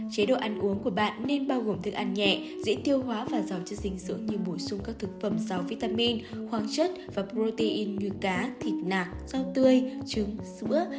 chế độ ăn uống của bạn nên bao gồm thức ăn nhẹ dễ tiêu hóa và giàu chất dinh dưỡng như bổ sung các thực phẩm rau vitamin khoáng chất và protein như cá thịt nạc rau tươi trứng sữa